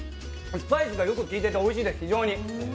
スパイスがよく効いてて非常においしいです。